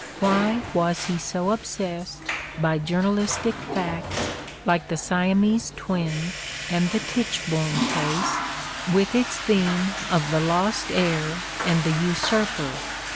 Why was he so obsessed by journalistic facts like the Siamese Twins and the Tichborne case, with its theme of the lost heir and the usurper